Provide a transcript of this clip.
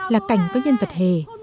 là cảnh có nhân vật hề